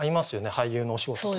俳優のお仕事と。